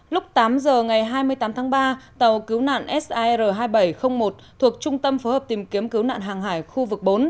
lúc tám giờ ngày hai mươi tám tháng ba tàu cứu nạn sar hai nghìn bảy trăm linh một thuộc trung tâm phối hợp tìm kiếm cứu nạn hàng hải khu vực bốn